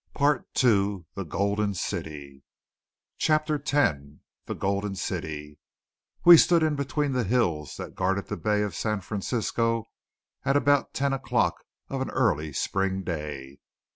PART II THE GOLDEN CITY CHAPTER X THE GOLDEN CITY We stood in between the hills that guarded the bay of San Francisco about ten o'clock of an early spring day.